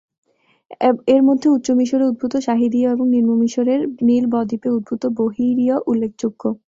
এর মধ্যে উচ্চ মিশরে উদ্ভূত "সাহিদীয়" এবং নিম্ন মিশরের নীল বদ্বীপে উদ্ভূত "বোহাইরীয়" উল্লেখযোগ্য।